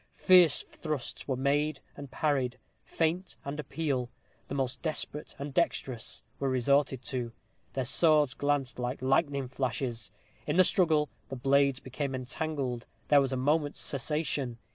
Fierce thrusts were made and parried. Feint and appeal, the most desperate and dexterous, were resorted to. Their swords glanced like lightning flashes. In the struggle, the blades became entangled. There was a moment's cessation.